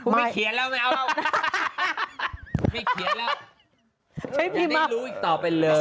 ไม่เขียนแล้วไม่เอาแล้ว